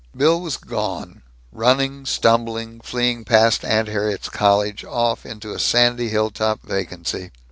Bill was gone, running, stumbling, fleeing past Aunt Harriet's cottage, off into a sandy hilltop vacancy.